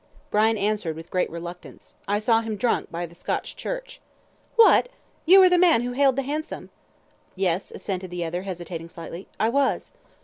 Brian answered with great reluctance, "I saw him drunk by the Scotch Church." "What! you were the man who hailed the hansom?" "Yes," assented the other, hesitating slightly, "I was!"